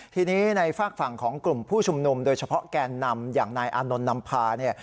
ทีนี้ในฝากฝั่งของกลุ่มผู้ชุมนุมโดยเฉพาะแกนนำอย่างนายอานนท์นำพาเนี่ย